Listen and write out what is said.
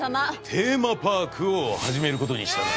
テーマパークを始めることにした。